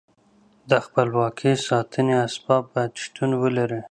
د خپلواکۍ ساتنې اسباب باید شتون ولري.